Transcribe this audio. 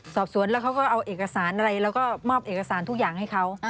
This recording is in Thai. สอบสวนแล้วเขาก็เอาเอกสารอะไรแล้วก็มอบเอกสารทุกอย่างให้เขา